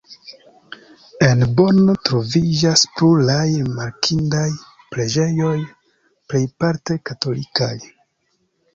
En Bonn troviĝas pluraj rimarkindaj preĝejoj, plejparte katolikaj.